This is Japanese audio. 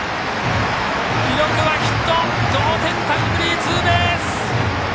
記録はヒット同点タイムリーツーベース！